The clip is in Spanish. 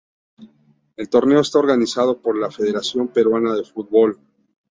El torneo está organizado por la Federación Peruana de Fútbol.